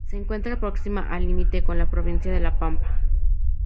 Se encuentra próxima al límite con la provincia de La Pampa.